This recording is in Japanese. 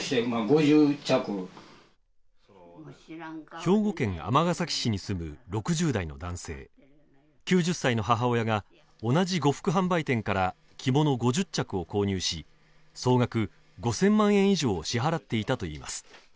兵庫県尼崎市に住む６０代の男性９０歳の母親が同じ呉服販売店から着物５０着を購入し総額５０００万円以上を支払っていたといいます